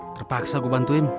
terpaksa gue bantuin